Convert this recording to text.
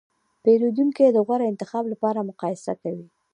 پیرودونکي د غوره انتخاب لپاره مقایسه کوي.